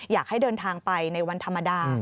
อยากให้เดินทางไปในวันธรรมดา